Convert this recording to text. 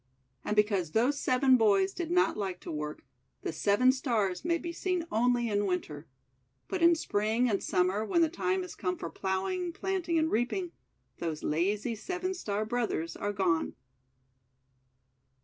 And because those seven boys did not like to work, the Seven Stars may be seen only in Winter. But in Spring and Summer, when the time is come for ploughing, planting, and reap ing, those lazy Seven Star Brothers are gone.